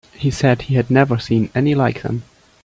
He said he had never seen any like them.